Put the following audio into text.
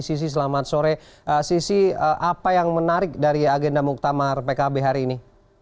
sisi selamat sore sisi apa yang menarik dari agenda muktamar pkb hari ini